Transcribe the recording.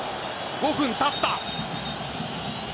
５分たった。